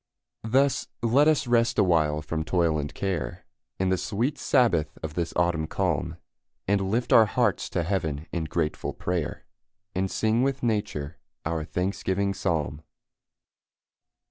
Thus let us rest awhile from toil and care, In the sweet sabbath of this autumn calm, And lift our hearts to heaven in grateful prayer, And sing with nature our thanksgiving psalm.